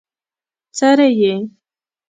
څري يې؟